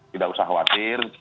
tidak usah khawatir